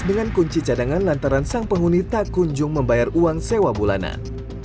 dengan kunci cadangan lantaran sang penghuni tak kunjung membayar uang sewa bulanan